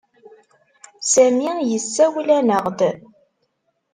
Sami yessawel-aneɣ-d.